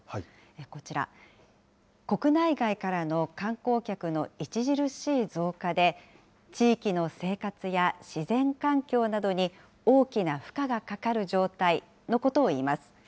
こちら、国内外からの観光客の著しい増加で、地域の生活や自然環境などに大きな負荷がかかる状態のことをいいます。